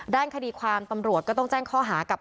ด้านคดีความตำรวจก็ต้องแจ้งข้อหากับ